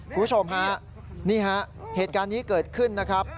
ผู้ชมนี่เหตุการณ์นี้เกิดขึ้น